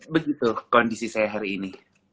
begitu kondisi saya hari ini